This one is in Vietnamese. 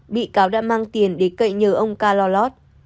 bị cáo đã mang tiền để cậy nhờ ông ca lo lót